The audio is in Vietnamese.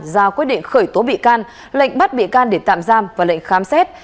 ra quyết định khởi tố bị can lệnh bắt bị can để tạm giam và lệnh khám xét